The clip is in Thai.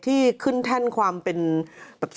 อีกและมันลก